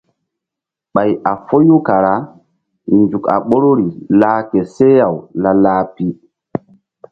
Ɓay a foyu kara nzuk a ɓoruri lah ke seh-aw la-lah pi.